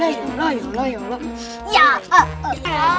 ya ya allah ya allah ya allah